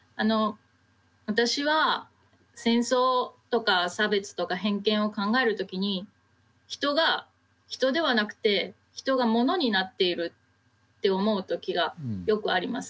私は戦争とか差別とか偏見を考える時に人が人ではなくて人が物になっているって思う時がよくあります。